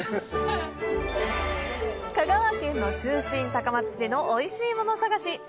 香川県の中心・高松市でのおいしいもの探し。